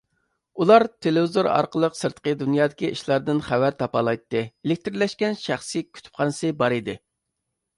ئۇلار تېلېۋىزور ئارقىلىق سىرتقى دۇنيادىكى ئىشلاردىن خەۋەر تاپالايتتى ئېلېكترلەشكەن شەخسىي كۇتۇپخانىسى بار ئىدى.